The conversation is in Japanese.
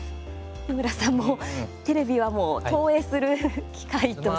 木村さんもテレビはもう投映する機械として。